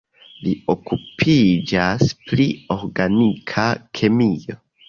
Li okupiĝas pri organika kemio.